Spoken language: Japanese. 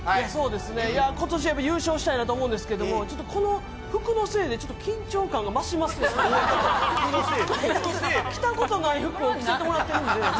今年は優勝したいなと思うんですが、服のせいで緊張感が増しますね。着たことない服を着させてもらっているので。